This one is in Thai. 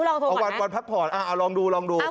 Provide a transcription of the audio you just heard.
ลองโทรก่อนนะเอาวันก่อนพักผ่อนอ่าลองดูลองดูอ่า